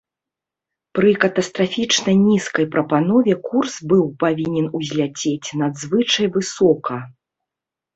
Пры катастрафічна нізкай прапанове курс быў павінен узляцець надзвычай высока.